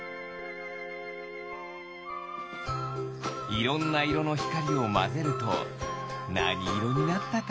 いろんないろのひかりをまぜるとなにいろになったかな？